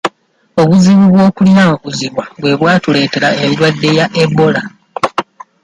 Obuzibu bw'okulyankuzibwa bwe bwatuleetera endwadde ya Ebola.